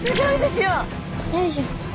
よいしょ。